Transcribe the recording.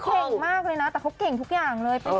เข็นมากเลยนะเขาเข็นทุกอย่างเลย